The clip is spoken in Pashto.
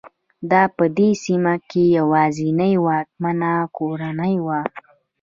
دا په دې سیمه کې یوازینۍ واکمنه کورنۍ وه.